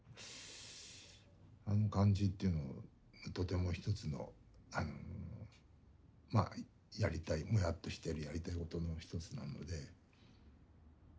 あの感じっていうのとても一つのまあやりたいもやっとしてるやりたいことの一つなので。